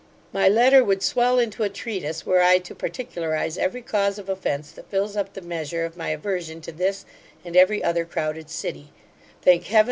My letter would swell into a treatise, were I to particularize every cause of offence that fills up the measure of my aversion to this, and every other crowded city Thank Heaven!